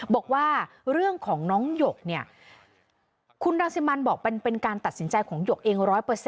บอกว่าเรื่องของน้องหยกเนี่ยคุณรังสิมันบอกเป็นการตัดสินใจของหยกเอง๑๐๐